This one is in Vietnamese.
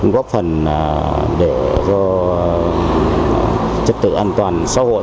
góp phần để cho trật tự an toàn xã hội